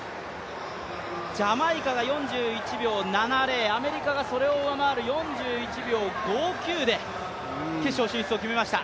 ジャマイカが４１秒７０、アメリカがそれを上回る４１秒５９で決勝進出を決めました。